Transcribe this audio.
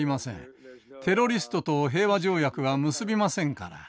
テロリストと平和条約は結びませんから。